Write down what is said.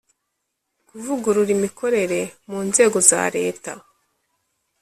kuvugurura imikorere mu nzego za Leta